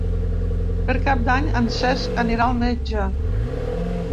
Per Cap d'Any en Cesc anirà al metge.